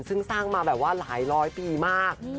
ซึ่งสร้างมาแบบว่าหลายร้อยปีมาก